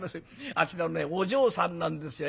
あちらのねお嬢さんなんですよ。